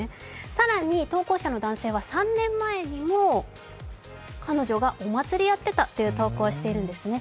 更に投稿者の男性は３年前にも、彼女がお祭りやってたという投稿をしているんですね。